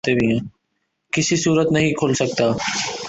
کسی صورت نہیں کھل سکتا